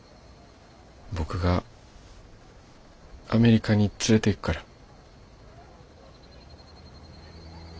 僕がアメリカに連れていくから。